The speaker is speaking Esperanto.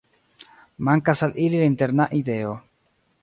Mankas al ili la interna ideo.